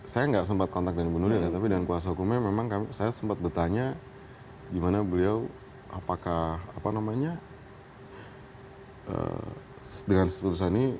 saya nggak sempat kontak dengan ibu nuril tapi dengan kuasa hukumnya memang saya sempat bertanya gimana beliau apakah apa namanya dengan keputusan ini